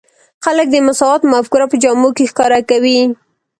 خلک د مساوات مفکوره په جامو کې ښکاره کوي.